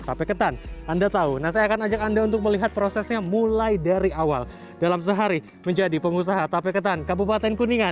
tape ketan anda tahu nah saya akan ajak anda untuk melihat prosesnya mulai dari awal dalam sehari menjadi pengusaha tape ketan kabupaten kuningan